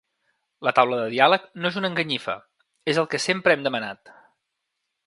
La taula de diàleg no és una enganyifa, és el que sempre hem demanat.